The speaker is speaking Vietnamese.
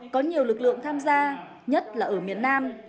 có nhiều lực lượng tham gia nhất là ở miền nam